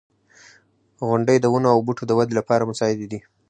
• غونډۍ د ونو او بوټو د ودې لپاره مساعدې دي.